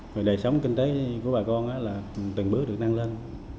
rồi đời sống kinh tế của bà con đó là từng bước được năng lên